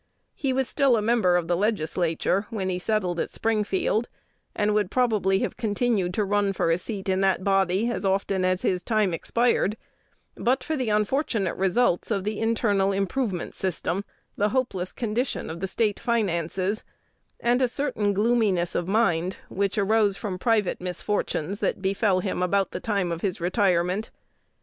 He was still a member of the Legislature when he settled at Springfield, and would probably have continued to run for a seat in that body as often as his time expired, but for the unfortunate results of the "internal improvement system," the hopeless condition of the State finances, and a certain gloominess of mind, which arose from private misfortunes that befell him about the time of his retirement.